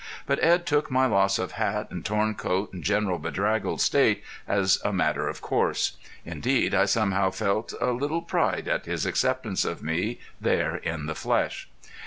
But Edd took my loss of hat, and torn coat, and general bedraggled state as a matter of course. Indeed I somehow felt a little pride at his acceptance of me there in the flesh.